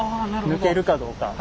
抜けるかどうか。